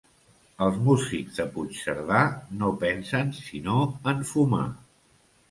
Els músics de Puigcerdà no pensen sinó en fumar.